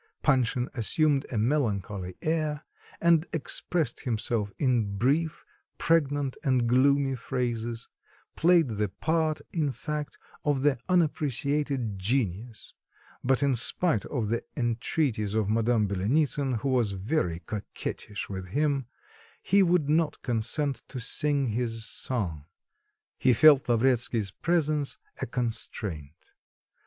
Panshin assumed a melancholy air, and expressed himself in brief, pregnant, and gloomy phrases, played the part, in fact, of the unappreciated genius, but in spite of the entreaties of Madame Byelenitsin, who was very coquettish with him, he would not consent to sing his song; he felt Lavretsky's presence a constraint.